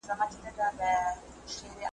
نن به ولي په تیارو کي ښخېدی د شمعي مړی .